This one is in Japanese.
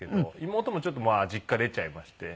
妹もちょっと実家を出ちゃいまして。